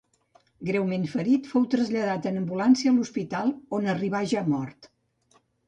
Greument ferit, fou traslladat en ambulància a l'hospital on arribà ja mort.